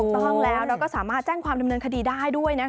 ต้องแล้วแล้วก็สามารถแจ้งความดำเนินคดีได้ด้วยนะคะ